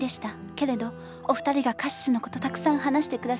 けれどお二人がカシスの事たくさん話して下さり